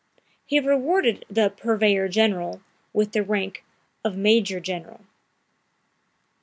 He rewarded "the purveyor general" with the rank of major general.